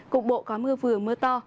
cục bộ có mưa vừa mưa to